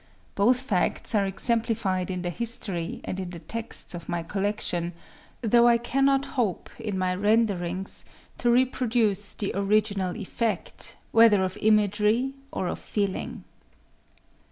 Both facts are exemplified in the history and in the texts of my collection,—though I cannot hope, in my renderings, to reproduce the original effect, whether of imagery or of feeling.